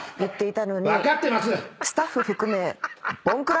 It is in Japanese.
分かってます！